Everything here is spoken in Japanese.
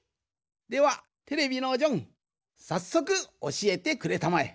ではテレビのジョンさっそくおしえてくれたまえ。